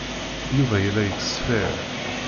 Yuba yella yettṣeffir.